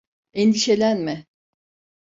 Endişelenme.